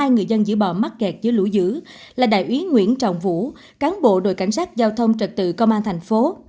hai người dân giữ bò mắc kẹt dưới lũ dữ là đại úy nguyễn trọng vũ cán bộ đội cảnh sát giao thông trật tự công an tp